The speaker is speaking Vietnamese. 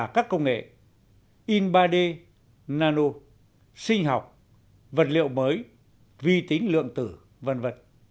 các công nghệ in ba d nano sinh học vật liệu mới vi tính lượng tử v v